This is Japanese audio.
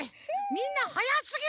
みんなはやすぎるから！